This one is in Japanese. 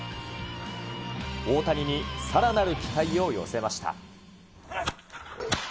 大谷にさらなる期待を寄せました。